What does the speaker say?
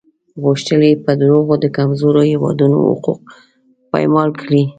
غوښتل یې په دروغو د کمزورو هېوادونو حقوق پایمال کړي.